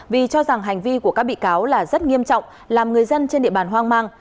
vì cho rằng hành vi của các bị cáo là rất nghiêm trọng làm người dân trên địa bàn hoang mang